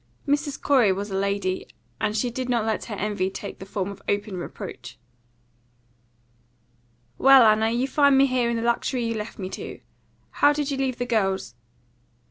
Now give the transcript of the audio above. Mrs. Corey was a lady, and she did not let her envy take the form of open reproach. "Well, Anna, you find me here in the luxury you left me to. How did you leave the girls?"